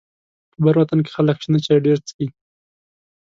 په بر وطن کې خلک شنه چای ډيره څکي.